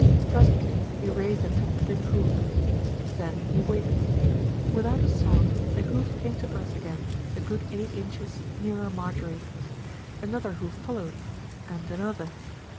Presently he raised a tentative hoof. Then he waited. Without a sound the hoof came to earth again, a good eight inches nearer Marjorie. Another hoof followed, and another.